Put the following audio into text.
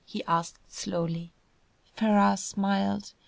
he asked slowly. Ferrars smiled.